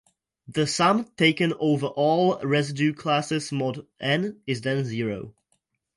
The sum taken over all residue classes mod "N" is then zero.